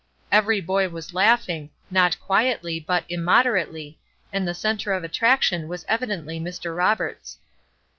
Every boy was laughing, not quietly, but immoderately, and the centre of attraction was evidently Mr. Roberts.